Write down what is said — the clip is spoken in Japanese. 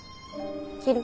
切る？